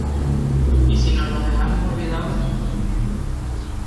¿ Y si nos los dejamos olvidados?